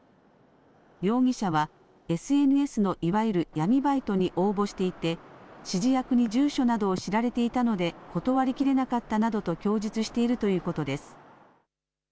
容疑者はＳＮＳのいわゆる闇バイトに応募していて指示役に住所などを知られていたのでことわりきれなかったなどと供述しているということです。